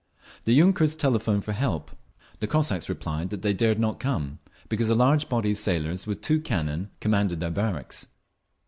The yunkers telephoned for help. The Cossacks replied that they dare not come, because a large body of sailors with two cannon commanded their barracks.